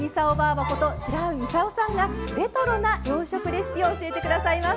ばこと白井操さんがレトロな洋食レシピを教えて下さいます。